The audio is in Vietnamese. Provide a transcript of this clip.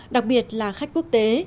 đặc biệt là khách quốc tế